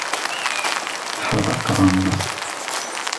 Ḥdaqren.